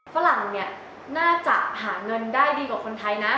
ฝรั่งเนี่ยน่าจะหาเงินได้ดีกว่าคนไทยนะ